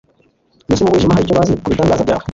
mbese mu mwijima hari icyo bazi ku bitangaza byawe